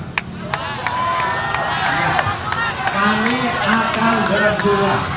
ya kami akan berdoa